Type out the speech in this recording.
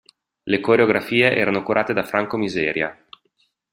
Le coreografie erano curate da Franco Miseria.